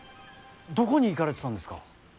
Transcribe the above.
どこに行かれてたんですか。